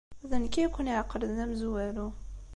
D nekk ay ken-iɛeqlen d amezwaru.